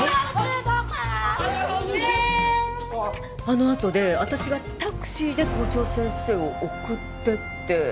あのあとで私がタクシーで校長先生を送ってって。